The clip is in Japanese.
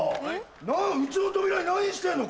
・うちの扉に何してんの！